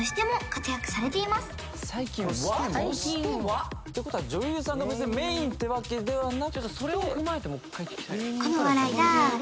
最近「は」？最近「は」？ということは女優さんが別にメインってわけではなくてそれを踏まえてもっかい聴きたいこの笑いだれ？